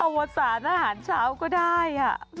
วสารอาหารเช้าก็ได้